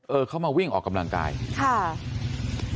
เออเขามาวิ่งออกกำลังกายค่ะ